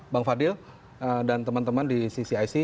bang fadil dan teman teman di ccic